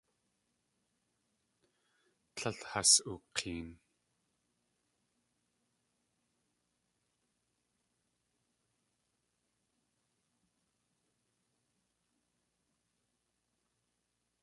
Tlél has uk̲een.